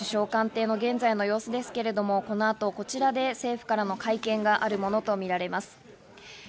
こちら画面左側、首相官邸の現在の様子ですけれども、この後、こちらで政府からの会見があるものとみられます。